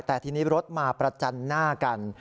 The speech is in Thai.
แต่ทีนี้รถมาประจันหน้ากัน